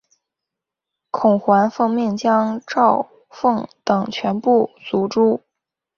孔循奉命将赵虔等全部族诛。